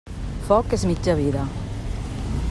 Foc és mitja vida.